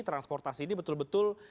transportasi ini betul betul